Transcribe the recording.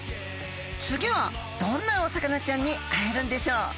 次はどんなお魚ちゃんに会えるんでしょう？